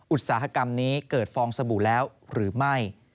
อุตสาหกรรมนี้เกิดฟองสบู่แล้วหรือไม่